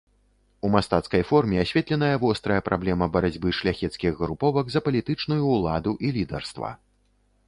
У мастацкай форме асветленая вострая праблема барацьбы шляхецкіх груповак за палітычную ўладу і лідарства.